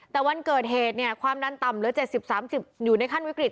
แต่วันเกิดเหตุเนี่ยความดันต่ำเหลือ๗๐๓๐อยู่ในขั้นวิกฤต